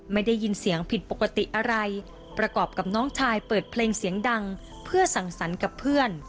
ไม่ได้ยินเสียงผิดปกติอะไรประกอบกับน้องชายเปิดเพลงเสียงดังเพื่อสั่งสรรค์กับเพื่อน